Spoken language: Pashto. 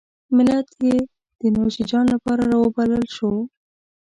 ملت یې د نوشیجان لپاره راوبلل شو.